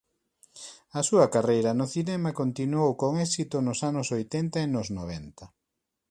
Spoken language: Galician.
A súa carreira no cinema continuou con éxito nos anos oitenta e nos noventa.